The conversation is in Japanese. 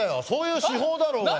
そういう手法だろ。